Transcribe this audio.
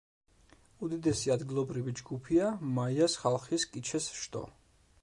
უდიდესი ადგილობრივი ჯგუფია მაიას ხალხის კიჩეს შტო.